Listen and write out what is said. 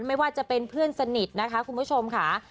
ไม่ว่าจะเป็นเพื่อนสนิทนะคะคุณผู้ชมค่ะ